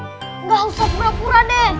enggak usah berapura deh